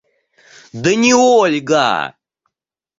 Да не Ольга!